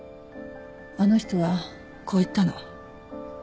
あの人はこう言ったの。